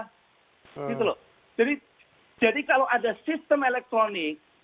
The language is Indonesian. gitu loh jadi kalau ada sistem elektronik